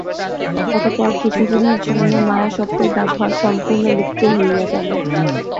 অতঃপর কিছুদিনের জন্য মায়া-শব্দের ব্যবহার সম্পূর্ণ লুপ্ত হইয়া গেল।